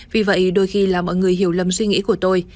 vì vậy đôi khi là mọi người hiểu lầm suy nghĩ của tôi